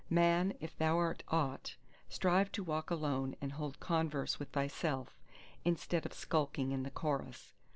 Man, if thou art aught, strive to walk alone and hold converse with thyself, instead of skulking in the chorus!